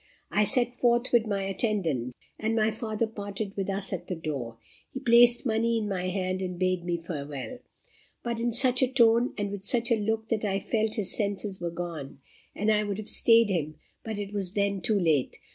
I set forth with my attendant, and my father parted with us at the door. He placed money in my hand, and bade me farewell! but in such a tone, and with such a look, that I felt his senses were gone, and I would have stayed him, but it was then too late.